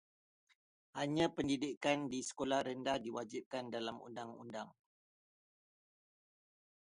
Hanya pendidikan di sekolah rendah diwajibkan dalam undang-undang.